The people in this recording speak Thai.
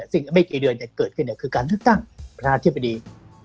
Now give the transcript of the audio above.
ซึ่งอีกไม่กี่เดือนจะเกิดขึ้นคือการเลือกตั้งประธานาธิบดี